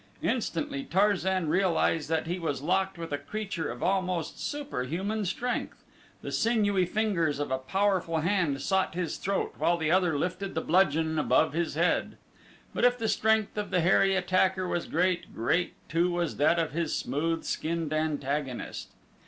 Instantly Tarzan realized that he was locked with a creature of almost superhuman strength. The sinewy fingers of a powerful hand sought his throat while the other lifted the bludgeon above his head. But if the strength of the hairy attacker was great, great too was that of his smooth skinned antagonist.